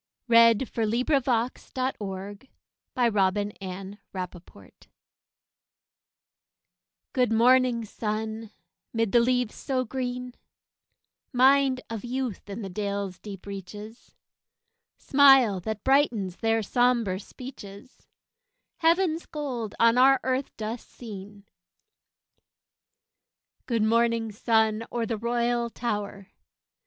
rumbled yonder. THE MAIDENS' SONG (FROM HALTE HULDA) Good morning, sun, 'mid the leaves so green Mind of youth in the dales' deep reaches, Smile that brightens their somber speeches, Heaven's gold on our earth dust seen! Good morning, sun, o'er the royal tower!